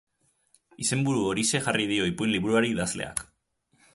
Izenburu horixe jarri dio ipuin liburuari idazleak.